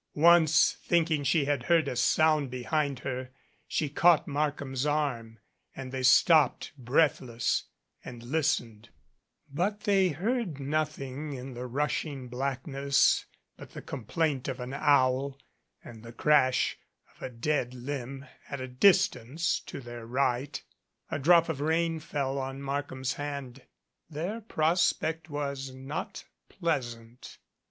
Once thinking she had heard a sound behind her, she caught Markham's arm and they stopped, breathless, and listened, but they heard nothing in the rushing blackness but the complaint of an owl and the crash of a dead limb at a distance to their right. A drop of rain fell on Markham's hand. Their prospect was not pleasant.